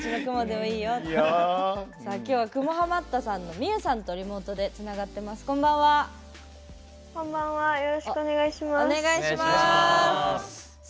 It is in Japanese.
今日は雲ハマったさんのみゆさんとリモートでつながっています。